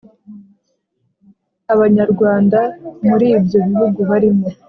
Abanyarwanda muri ibyo bihugu barimo